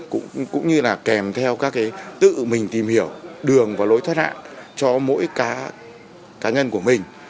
cũng như là kèm theo các cái tự mình tìm hiểu đường và lối thoát hạn cho mỗi cá nhân của mình